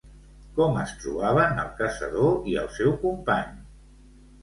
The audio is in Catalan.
Com es trobaven el caçador i el seu company?